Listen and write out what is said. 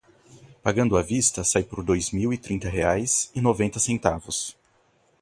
Pagando à vista sai por dois mil e trinta reais e noventa centavos.